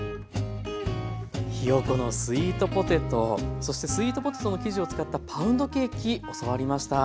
ひよこのスイートポテトそしてスイートポテトの生地を使ったパウンドケーキ教わりました。